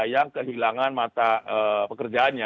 yang kehilangan mata pekerjaannya